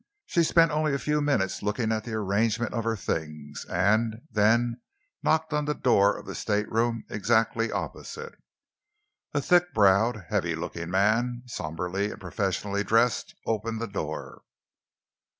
She spent only a few minutes looking at the arrangement of her things, and then knocked at the door of the stateroom exactly opposite. A thick browed, heavy looking man, sombrely and professionally dressed, opened the door.